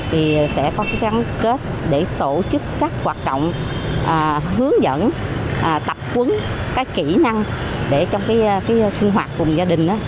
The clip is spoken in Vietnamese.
thì sẽ có cái gắn kết để tổ chức các hoạt động hướng dẫn tập quấn các kỹ năng để trong cái sinh hoạt cùng gia đình